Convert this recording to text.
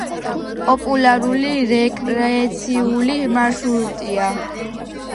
პოპულარული რეკრეაციული მარშრუტია.